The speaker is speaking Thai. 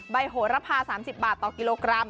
โหระพา๓๐บาทต่อกิโลกรัม